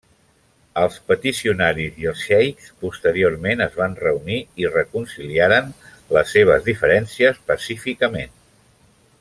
Els peticionaris i els xeics posteriorment es van reunir i reconciliaren les seves diferències pacíficament.